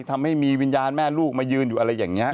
ทำให้มีวิญญาณแม่ลูกมายืนอยู่อะไรอย่างนี้